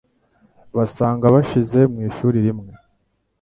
basanga babashize mu ishuri rimwe,